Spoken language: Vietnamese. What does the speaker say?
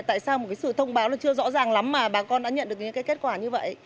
tại sao một cái sự thông báo là chưa rõ ràng lắm mà bà con đã nhận được những cái kết quả như vậy